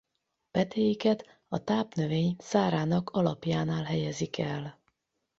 Petéiket a tápnövény szárának alapjánál helyezik el.